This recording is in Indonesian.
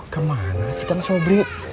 kemana sih kan sobri